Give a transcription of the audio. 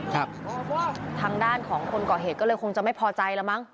ทางด้านของคนก่อเหตุก็เลยคงจะไม่พอใจแล้วมั้ง